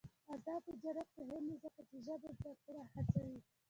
آزاد تجارت مهم دی ځکه چې ژبې زدکړه هڅوي.